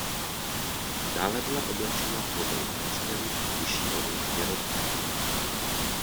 Dále byla oblečena v modrou zástěru, vyšívanou šněrovačku.